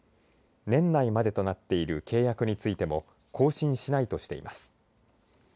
年内までとなっている契約についても更新しないとしています。